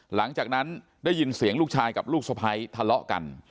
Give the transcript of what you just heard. หลังจากนั้นได้ยินเสียงลูกชายกับลูกสะพ้ายทะเลาะกัน